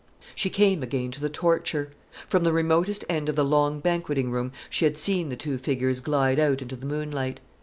She came again to the torture. From the remotest end of the long banqueting room she had seen the two figures glide out into the moonlight.